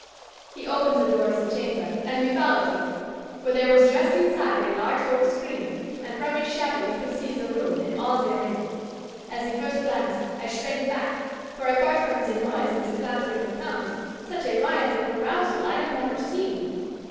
"He opened the door of the chamber, and we followed him; for there was just inside a large oak screen, and from its shadow we could see the room and all therein. At the first glance I shrank back, for, apart from the noise and the clattering of tongues, such a riot of carousal I have never seen.